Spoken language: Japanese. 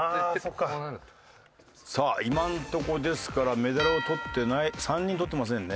さあ今のところですからメダルをとってない３人とってませんね。